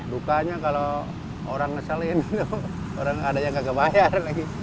dukanya kalau orang neselin orang adanya nggak kebayar